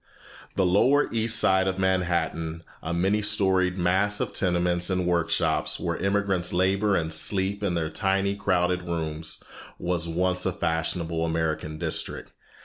The lower East Side of Manhattan, a many storied mass of tenements and workshops, where immigrants labor and sleep in their tiny crowded rooms, was once a fashionable American district.